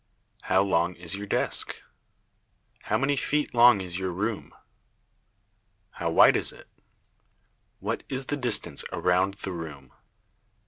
How long is your desk? How many feet long is your room? How wide is it? What is the distance around the room?